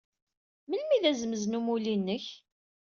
Melmi i d azemz n umulli-inek?